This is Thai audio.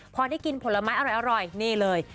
พอได้กินผลไม้อร่อยนี่เลย